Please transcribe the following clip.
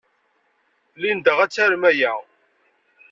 Linda ad tarem aya.